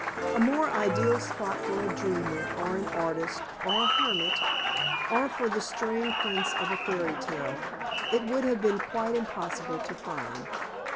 A more ideal spot for a dreamer, or an artist, or a hermit, or for the straying prince of a fairy tale, it would have been quite impossible to find.